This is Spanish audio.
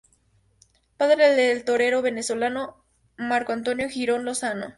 Padre del torero venezolano Marco Antonio Girón Lozano.